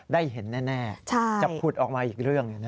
ได้เห็นแน่จะผุดออกมาอีกเรื่อง